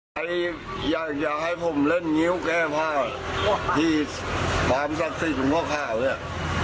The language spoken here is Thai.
อันนี้อยากให้ผมเล่นงิ้วแก้ผ้าที่ความศักดิ์สิทธิ์หลวงพ่อขาวเนี่ย